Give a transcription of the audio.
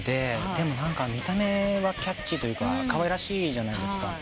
でも見た目はキャッチーというかかわいらしいじゃないですか。